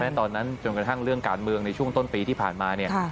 ตอนนั้นจนกระทั่งเรื่องการเมืองในช่วงต้นปีที่ผ่านมาเนี่ย